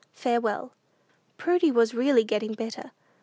FAREWELL. Prudy was really getting better.